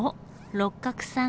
六角さん